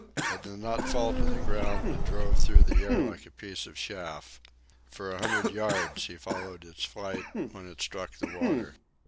It did not fall to the ground, but drove through the air like a piece of chaff. For a hundred yards he followed its flight, when it struck the water.